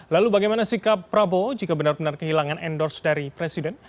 lalu bagaimana sikap prabowo jika benar benar kehilangan endorse dari presiden